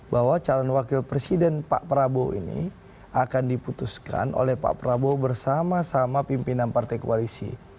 bahwa calon wakil presiden pak prabowo ini akan diputuskan oleh pak prabowo bersama sama pimpinan partai koalisi